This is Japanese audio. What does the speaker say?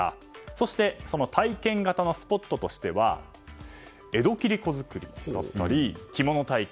そして体験型のスポットとしては江戸切子作りだったり着物体験